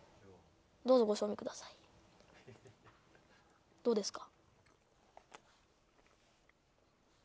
どうぞご賞味くださいどうですか？